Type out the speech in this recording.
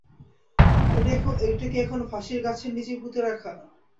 এটা কি এখনো ফাঁসির গাছের নিচেই পুঁতে রাখা?